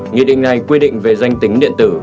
nghị định này quy định về danh tính điện tử